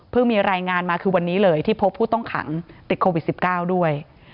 มีรายงานมาคือวันนี้เลยที่พบผู้ต้องขังติดโควิด๑๙ด้วย